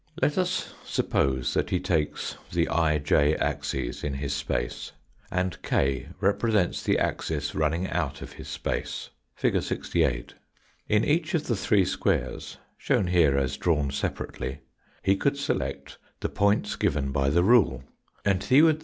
Let us suppose that he takes the ij axes in his space and k represents the axis running out of his space, fig. 68. In each of the three squares shown here as drawn separately he could select the points given by the rule, and he would Fig.